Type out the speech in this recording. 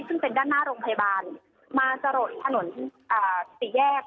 ซึ่งเป็นด้านหน้าโรงพยาบาลมาสลดถนนสี่แยก